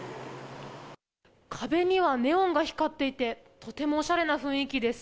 壁にはネオンが光っていて、とてもおしゃれな雰囲気です。